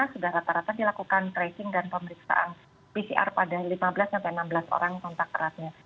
sudah rata rata dilakukan tracing dan pemeriksaan pcr pada lima belas enam belas tahun